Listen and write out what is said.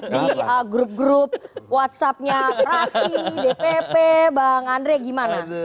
di grup grup whatsappnya fraksi dpp bang andre gimana